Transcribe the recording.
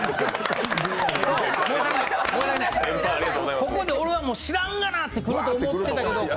ここで俺は知らんがな！って来ると思ってたけど来